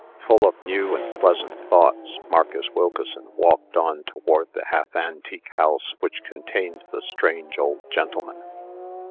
Full of new and pleasant thoughts, Marcus Wilkeson walked on toward the half antique house which contained the strange old gentleman.